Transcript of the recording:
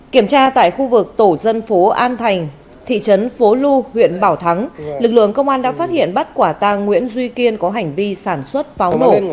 kiểm tra tại khu vực tổ dân phố an thành thị trấn phố lu huyện bảo thắng lực lượng công an đã phát hiện bắt quả tang nguyễn duy kiên có hành vi sản xuất pháo nổ